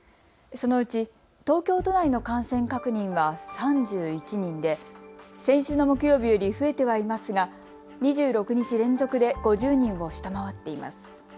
そのうち東京都内の感染確認は３１人で先週の木曜日より増えてはいますが２６日連続で５０人を下回っています。